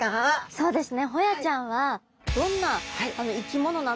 そうですね。